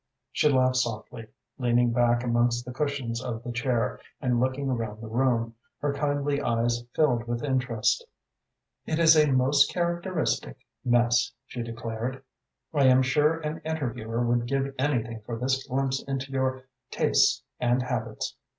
She laughed softly, leaning back amongst the cushions of the chair and looking around the room, her kindly eyes filled with interest. "It is a most characteristic mess," she declared. "I am sure an interviewer would give anything for this glimpse into your tastes and habits.